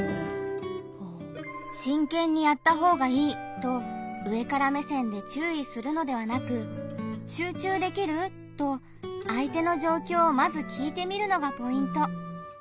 と上から目線で注意するのではなく「集中できる？」と相手の状況をまず聞いてみるのがポイント。